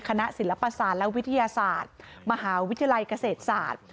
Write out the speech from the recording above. คณะศิลปศาสตร์และวิทยาศาสตร์มหาวิทยาลัยเกษตรศาสตร์